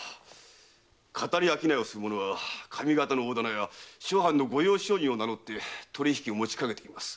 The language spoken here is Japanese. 騙り商いをする者は上方の大店や諸藩の御用商人を名のって取り引きを持ちかけてきます。